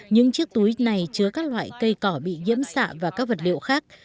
những chiếc túi này chứa các loại cây cỏ bị nhiễm xạ và các vật liệu khác